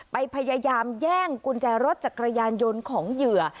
พยายามแย่งกุญแจรถจักรยานยนต์ของเหยื่อ